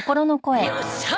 よっしゃあ！